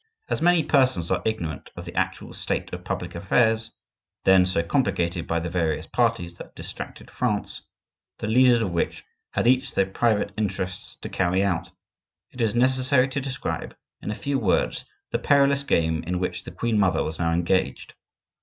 As many persons are ignorant of the actual state of public affairs then so complicated by the various parties that distracted France, the leaders of which had each their private interests to carry out, it is necessary to describe, in a few words, the perilous game in which the queen mother was now engaged.